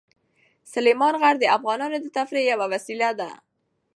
سلیمان غر د افغانانو د تفریح یوه وسیله ده.